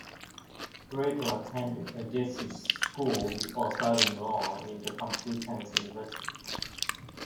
Rato attended a Jesuit school before studying law in the Complutense University.